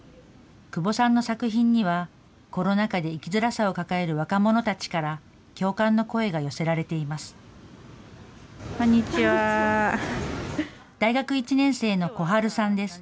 窪さんの作品には、コロナ禍で生きづらさを抱える若者たちから共感の声が寄せられて大学１年生の小春さんです。